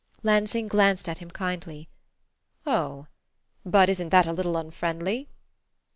Lansing glanced at him kindly. "Oh, but isn't that a little unfriendly?"